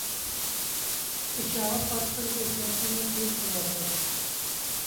پشاور، پاکستان کی ایک مسجد میں بم دھماکہ ہوا